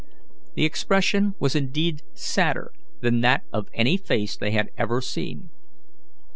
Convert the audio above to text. The expression was indeed sadder than that of any face they had ever seen.